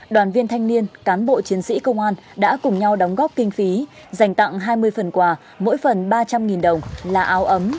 đoàn viên thanh niên cán bộ chiến sĩ công an đã cùng nhau đóng góp kinh phí dành tặng hai mươi phần quà mỗi phần ba trăm linh đồng là áo ấm